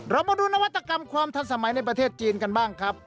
เรามาดูนวัตกรรมความทันสมัยในประเทศจีนกันบ้างครับ